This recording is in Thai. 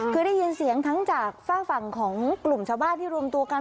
คือได้ยินเสียงทั้งจากฝากฝั่งของกลุ่มชาวบ้านที่รวมตัวกัน